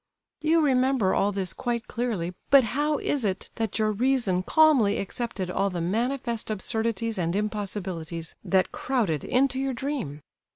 You remember all this quite clearly, but how is it that your reason calmly accepted all the manifest absurdities and impossibilities that crowded into your dream?